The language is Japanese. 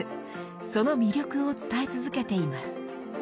その魅力を伝え続けています。